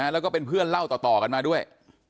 แล้วก็เป็นเพื่อนเล่าต่อกันมาด้วย